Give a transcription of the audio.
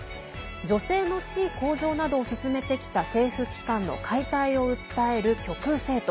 女性の地位向上などを進めてきた政府機関の解体を訴える極右政党。